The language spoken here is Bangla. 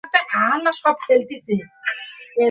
সে যা বলছে, তা ক্ষোভেরই বহিঃপ্রকাশ।